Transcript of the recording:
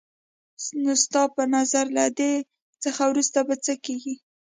نو ستا په نظر له دې څخه وروسته به څه کېږي؟